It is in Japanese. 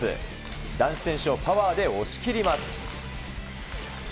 男子選手をパワーで押し切ります。